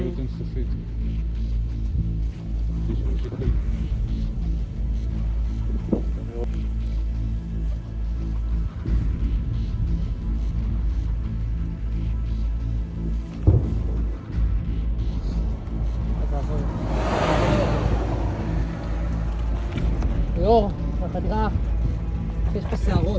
ก็ดีกว่าที่มันจะยืนใหม่แล้วว่ามันจะเกิดอะไรขึ้น